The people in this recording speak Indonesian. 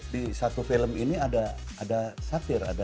di satu film ini ada satir